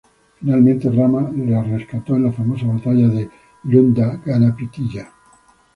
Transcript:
Finalmente Rama la rescató en la famosa batalla de Iudha-ganapitiya.